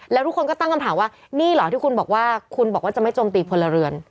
แล้วทุกคนก็ตั้งคำถามว่านี่เหรอที่คุณบอกว่าคุณบอกว่าจะไม่โจมตีพลเรือน